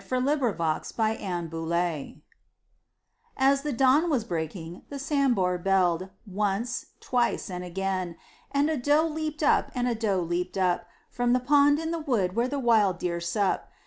Hunting Song of the Seeonee Pack As the dawn was breaking the Sambhur belled Once, twice and again! And a doe leaped up, and a doe leaped up From the pond in the wood where the wild deer sup.